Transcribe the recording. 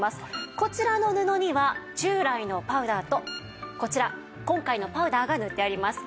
こちらの布には従来のパウダーとこちら今回のパウダーが塗ってあります。